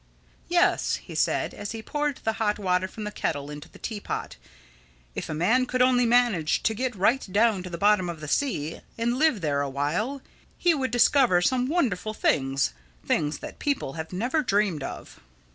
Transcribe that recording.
"Yes," he said, as he poured the hot water from the kettle into the tea pot, "if a man could only manage to get right down to the bottom of the sea, and live there a while, he would discover some wonderful things—things that people have never dreamed of."